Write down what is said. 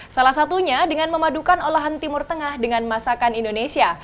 salah satunya dengan memadukan olahan timur tengah dengan masakan indonesia